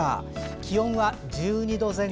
気温は１２度前後。